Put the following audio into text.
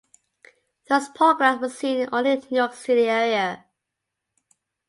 Those programs were seen only in the New York City area.